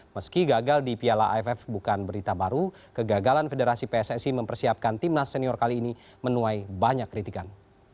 meski gagal di piala aff bukan berita baru kegagalan federasi pssi mempersiapkan timnas senior kali ini menuai banyak kritikan